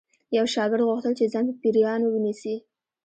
یو شاګرد غوښتل چې ځان په پیریانو ونیسي